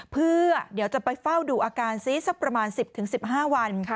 เพื่อเดี๋ยวจะไปเฝ้าดูอาการซิสักประมาณ๑๐๑๕วัน